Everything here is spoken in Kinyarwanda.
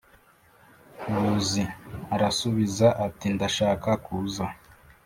Buzi arasubiza ati ndashaka kuza